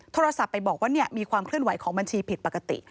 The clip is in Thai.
โทรศัพท์ไปบอกว่ามีความเคลื่อนไหวของบัญชีผิดปกติ